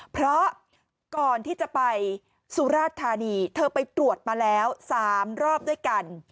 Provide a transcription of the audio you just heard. เพราะก่อนที่จะไปสุราชธานีเธอไปตรวจมาแล้ว๓รอบด้วยกัน